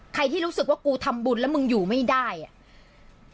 ใครที่รู้สึกว่ากูทำบุญแล้วมึงอยู่ไม่ได้อ่ะ